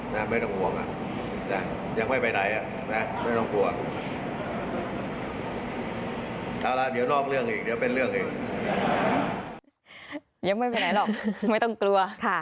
ยังไม่ไปไหนหรอกไม่ต้องกลัว